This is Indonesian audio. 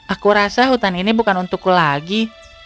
aku rasa hutan ini bukan untukku lagi